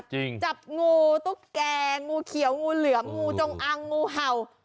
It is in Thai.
จริงจับงูตุ๊กแกงูเขียวงูเหลือมงูจงอังงูเห่า